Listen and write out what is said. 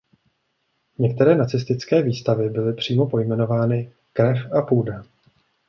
Některé nacistické výstavy byly přímo pojmenovány „Krev a půda“.